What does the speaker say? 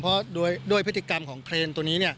เพราะด้วยพฤติกรรมของเครนตัวนี้